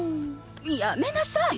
やめなさい！